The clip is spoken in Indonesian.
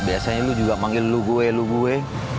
biasanya lu juga manggil lu gue lu gue